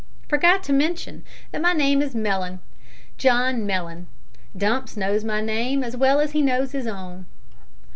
Forgot to mention that my name is Mellon John Mellon. Dumps knows my name as well as he knows his own.